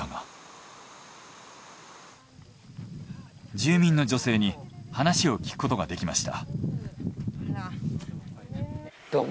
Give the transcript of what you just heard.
住民の女性に話を聞くことができました。